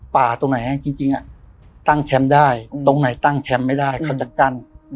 ตรงไหนจริงตั้งแคมป์ได้ตรงไหนตั้งแคมป์ไม่ได้เขาจะกั้น